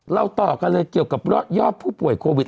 ต่อกันเลยเกี่ยวกับยอดผู้ป่วยโควิด